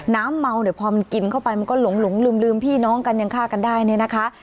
น้ำเมาเนี่ยพอมันกินเข้าไปมันก็หลงลืมพี่น้องกันยังฆ่ากันได้เนี่ยนะคะ